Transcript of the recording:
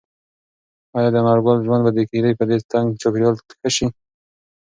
ایا د انارګل ژوند به د کيږدۍ په دې تنګ چاپیریال کې ښه شي؟